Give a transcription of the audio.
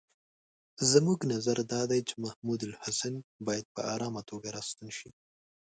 زموږ نظر دا دی چې محمودالحسن باید په آرامه توګه را ستون شي.